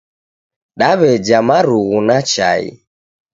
Daweja marugu na chai